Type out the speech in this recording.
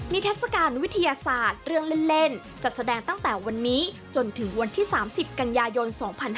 ทัศกาลวิทยาศาสตร์เรื่องเล่นจัดแสดงตั้งแต่วันนี้จนถึงวันที่๓๐กันยายน๒๕๕๙